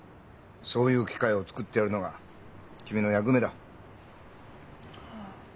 そういう機会を作ってやるのが君の役目だ。はあ。